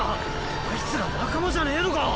あいつら仲間じゃねぇのか？